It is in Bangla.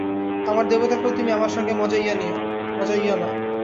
আমার দেবতাকেও তুমি আমার সঙ্গে মজাইয়ো না।